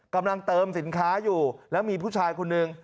กำลังเติมสินค้าอยู่แล้วมีผู้ชายคนหนึ่ง